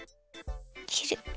きる！